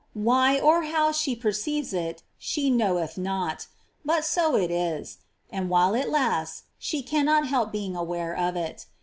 Why, or how, she perceives it, she knoweth not ; but so it is ; and while it lasts, she cannot help being aware of it.